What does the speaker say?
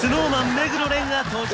目黒蓮が登場